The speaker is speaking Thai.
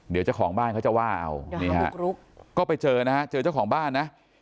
เดี๋ยวเจ้าของบ้านเขาจะว่าเอานี่ฮะก็ไปเจอนะฮะเจอเจ้าของบ้านนะ